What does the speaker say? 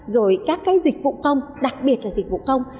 rồi các dịch vụ công đặc biệt là dịch vụ công